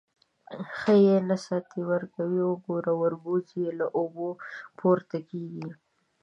_ښه يې نه ساتې. ورته وګوره، وربوز يې له اوبو نه پورته کېږي.